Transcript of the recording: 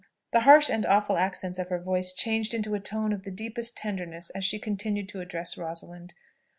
The harsh and awful accents of her voice changed into a tone of the deepest tenderness as she continued to address Rosalind.